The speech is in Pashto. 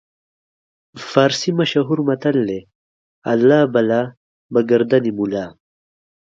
فارسي مشهور متل دی: الله بلا به ګردن ملا.